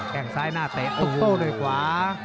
แค่งซ้ายหน้าเตะโต้ด้วยขวา